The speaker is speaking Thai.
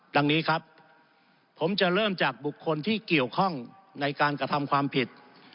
ดังนี้ครับผมจะเริ่มจากบุคคลที่เกี่ยวข้องในการกระทำความผิด